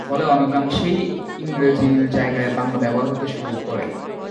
ফলে অনেকাংশেই ইংরেজির জায়গায় বাংলা ব্যবহার হতে শুরু করে।